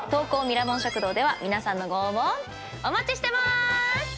ミラモン食堂では皆さんのご応募をお待ちしてます！